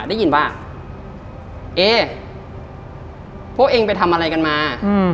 ได้ยินว่าเอ๊พวกเองไปทำอะไรกันมา